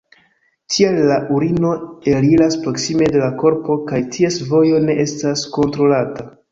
Tial la urino eliras proksime de la korpo kaj ties vojo ne estas kontrolata.